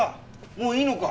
もういいのか？